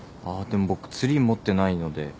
あーでも僕ツリー持ってないので。